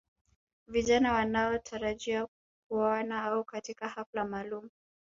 Vijana wanaotarajia kuoana au katika hafla maalum